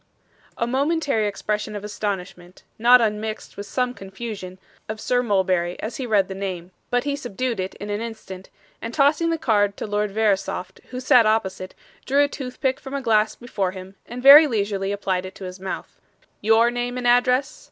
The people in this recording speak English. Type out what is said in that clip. A momentary expression of astonishment, not unmixed with some confusion, appeared in the face of Sir Mulberry as he read the name; but he subdued it in an instant, and tossing the card to Lord Verisopht, who sat opposite, drew a toothpick from a glass before him, and very leisurely applied it to his mouth. 'Your name and address?